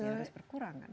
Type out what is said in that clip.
yang harus berkurangan